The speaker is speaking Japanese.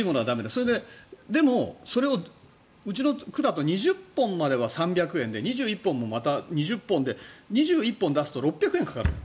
それで、でもそれをうちの区だと２０本までは３００円で２１本もまた２０本で２１本出すと６００円かかる。